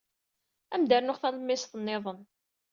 Ad am-d-rnunt talemmiẓt niḍen.